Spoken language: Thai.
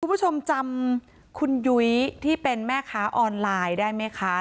คุณผู้ชมจำคุณยุ้ยที่เป็นแม่ค้าออนไลน์ได้ไหมคะ